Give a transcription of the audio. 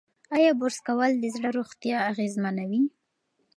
ایا برس کول د زړه روغتیا اغېزمنوي؟